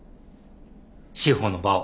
司法の場を。